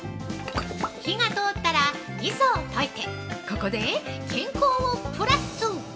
◆火が通ったら、みそを溶いてここで、健康をプラス！